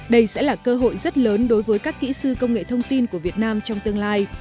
đây sẽ là cơ hội rất lớn đối với các kỹ sư công nghệ thông tin của việt nam trong tương lai